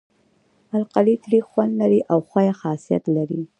القلي تریخ خوند لري او ښوی خاصیت لري.